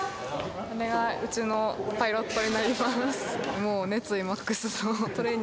・これがうちのパイロットになります。